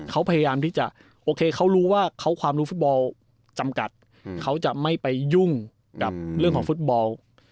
เขาพยายามที่จะโอเคเขารู้ว่าความรู้ฟุตบอลจำกัดเขาจะไม่ไปยุ่งกับเรื่องของฟุตบอล